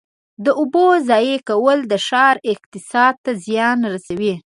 د اوبو ضایع کول د ښار اقتصاد ته زیان رسوي.